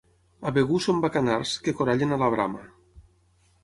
A Begur són bacanards, que corallen a la brama.